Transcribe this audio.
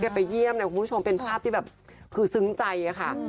แล้วที่แกไปเยี่ยมคุณผู้ชมเป็นภาพที่แบบคือซึ้งใจค่ะ